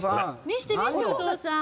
見して見してお父さん。